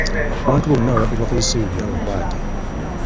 Abantu bonna ababadde bakozesa ebibira bakwate.